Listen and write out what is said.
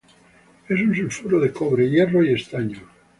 Es un sulfuro de cobre, hierro y estaño.